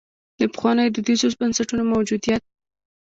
د پخوانیو دودیزو بنسټونو موجودیت.